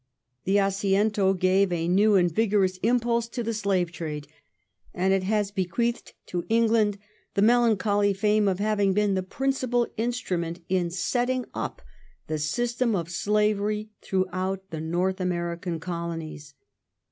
The Assiento gave a new and vigorous impulse to the slave trade, and it has bequeathed to England the melancholy fame of having been the principal instrument in setting up the system of slavery throughout the North American colonies.